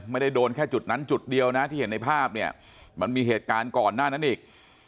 ไม่ได้โดนแค่จุดนั้นจุดเดียวนะที่เห็นในภาพเนี่ยมันมีเหตุการณ์ก่อนหน้านั้นอีก